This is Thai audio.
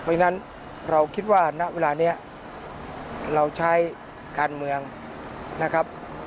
เพราะฉะนั้นเราคิดว่าณเวลานี้เราใช้การเมืองนะครับ